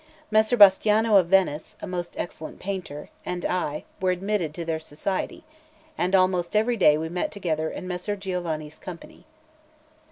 Messer Bastiano of Venice, a most excellent painter, and I were admitted to their society; and almost every day we met together in Messer Giovanni's company.